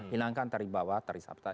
hilangkan tarif bawah tarif abta